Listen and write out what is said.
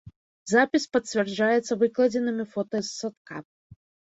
Запіс пацвярджаецца выкладзенымі фота з садка.